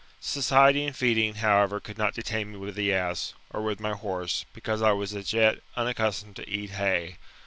Society in feeding, however, could not detain me with the ass, or with my horse, because I was as yet unaccustomed to eat hay.